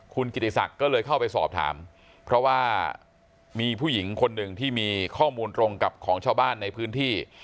คุณกิติศักดิ์ก็เลยเข้าไปสอบถามเพราะว่ามีผู้หญิงคนหนึ่งที่มีข้อมูลตรงกับของชาวบ้านในพื้นที่